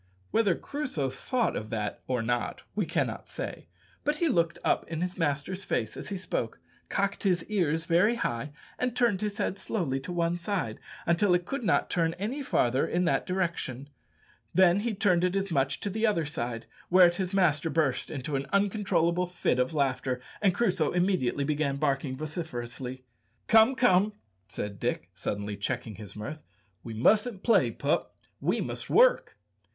Whether Crusoe thought of that or not we cannot say, but he looked up in his master's face as he spoke, cocked his ears very high, and turned his head slowly to one side, until it could not turn any farther in that direction; then he turned it as much to the other side; whereat his master burst into an uncontrollable fit of laughter, and Crusoe immediately began barking vociferously. "Come, come," said Dick, suddenly checking his mirth, "we mustn't play, pup, we must work."